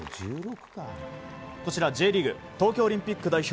こちら、Ｊリーグ東京オリンピック代表